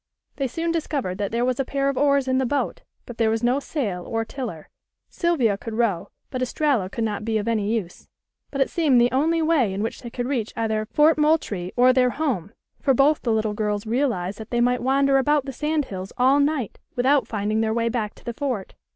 They soon discovered that there was a pair of oars in the boat, but there was no sail or tiller. Sylvia could row, but Estralla could not be of any use. But it seemed the only way in which they could reach either Fort Moultrie or their home, for both the little girls realized that they might wander about the sand hills all night without finding their way back to the fort.